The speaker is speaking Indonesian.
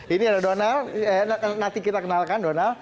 ini ada donald nanti kita kenalkan donald